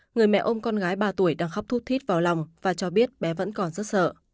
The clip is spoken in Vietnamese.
người mẹ ông con gái ba tuổi đang khóc thuốc thít vào lòng và cho biết bé vẫn còn rất sợ